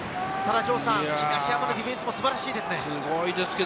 東山のディフェンスもすごいですね。